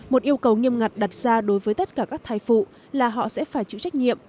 một yêu cầu nghiêm ngặt đặt ra đối với tất cả các thai phụ là họ sẽ phải chịu trách nhiệm